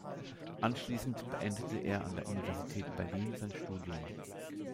Anschließend beendete er an der Universität Berlin sein Studium.